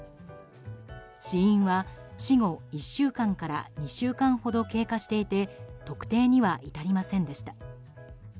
死因は、死後１週間から２週間ほど経過していて特定には至りませんでした。